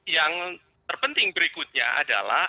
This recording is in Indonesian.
yang terpenting berikutnya adalah